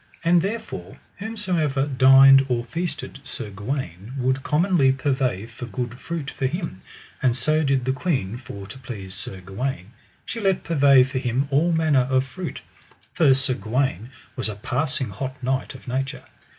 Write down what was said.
And therefore whosomever dined or feasted Sir Gawaine would commonly purvey for good fruit for him, and so did the queen for to please Sir Gawaine; she let purvey for him all manner of fruit, for Sir Gawaine was a passing hot knight of nature.